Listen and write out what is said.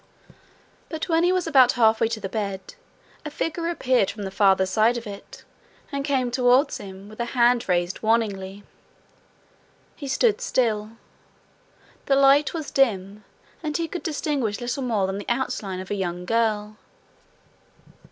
But when he was about halfway to the bed, a figure appeared from the farther side of it, and came towards him, with a hand raised warningly. He stood still. The light was dim, and he could distinguish little more than the outline of a young girl.